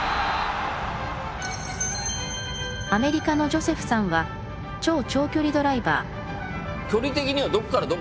アメリカのジョセフさんは超長距離ドライバー。